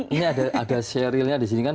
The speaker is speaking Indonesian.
ini ada serilnya disini kan